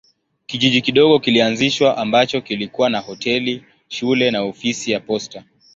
Kijiji kidogo kilianzishwa ambacho kilikuwa na hoteli, shule na ofisi ya posta.